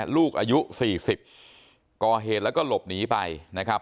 ลูกอายุ๔๐ก่อเหตุแล้วก็หลบหนีไปนะครับ